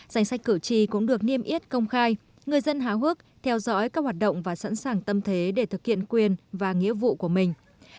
danh sách cử tri cũng được niêm yết công khai người dân háo hước theo dõi các hoạt động và sẵn sàng tâm thế để thực hiện quyền và nghĩa vụ của mình